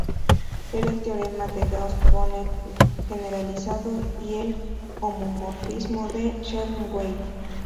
Ver el teorema de Gauss-Bonnet generalizado y el homomorfismo de Chern-Weil.